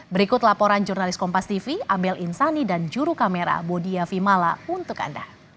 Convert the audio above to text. berikut laporan jurnalis kompas tv amel insani dan juru kamera budia vimala untuk anda